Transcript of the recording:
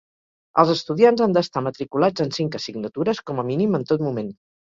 Els estudiants han d'estar matriculats en cinc assignatures com a mínim en tot moment.